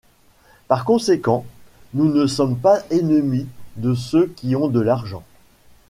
Par conséquent nous ne sommes pas ennemis de ceux qui ont de l'argent.